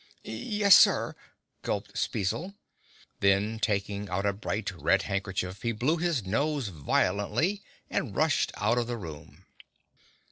"Yes, Sir!" gulped Spezzle. Then taking out a bright red handkerchief he blew his nose violently and rushed out of the room.